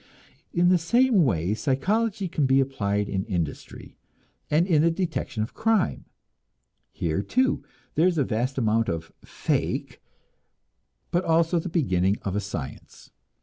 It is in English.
In the same way psychology can be applied in industry, and in the detection of crime. Here, too, there is a vast amount of "fake," but also the beginning of a science.